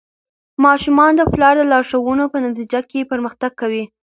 ماشومان د پلار د لارښوونو په نتیجه کې پرمختګ کوي.